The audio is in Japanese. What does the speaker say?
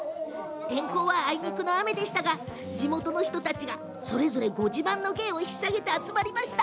天候はあいにくの雨でしたが地元の人たちがそれぞれご自慢の芸を持ち寄って集まってくださいました。